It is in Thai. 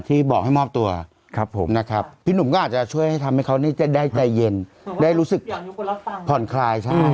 ที่บอกให้มอบตัวครับผมนะครับพี่หนุ่มก็อาจจะช่วยให้ทำให้เขานี่จะได้ใจเย็นได้รู้สึกผ่อนคลายใช่